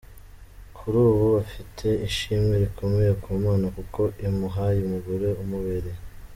Kuri ubu afite ishimwe rikomeye ku Mana kuko imuhaye umugore umubereye.